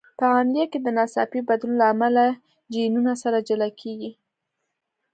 په عملیه کې د ناڅاپي بدلون له امله جینونه سره جلا کېږي.